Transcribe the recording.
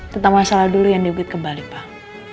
tentang masalah dulu yang dibuat kembali pak